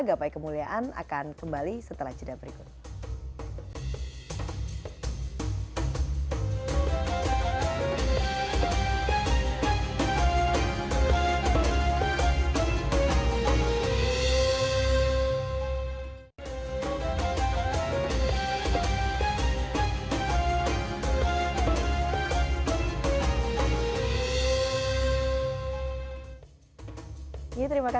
gapai kemuliaan akan kembali setelah jadinya